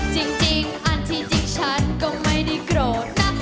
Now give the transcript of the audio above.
จริงอันที่จริงฉันก็ไม่ได้โกรธนะ